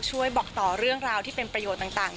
ช่วยบอกต่อเรื่องราวที่เป็นประโยชน์ต่าง